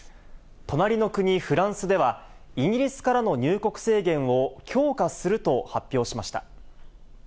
隣の国、フランスではイギリスからの入国制限を強化すると発表しました。